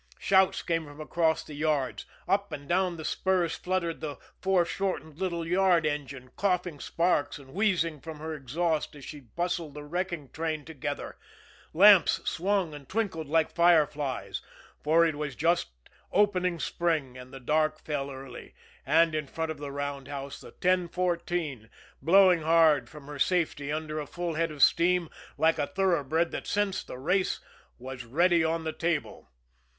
Shouts came from across the yards. Up and down the spurs fluttered the fore shortened little yard engine, coughing sparks and wheezing from her exhaust as she bustled the wrecking train together; lamps swung and twinkled like fireflies, for it was just opening spring and the dark fell early; and in front of the roundhouse, the 1014, blowing hard from her safety under a full head of steam, like a thoroughbred that scents the race, was already on the table.